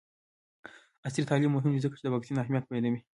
عصري تعلیم مهم دی ځکه چې د واکسین اهمیت بیانوي.